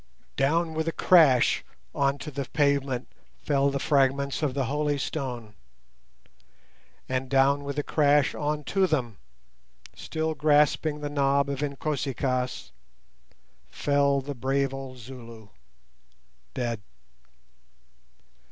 Down with a crash on to the pavement fell the fragments of the holy stone, and down with a crash on to them, still grasping the knob of Inkosi kaas, fell the brave old Zulu—dead.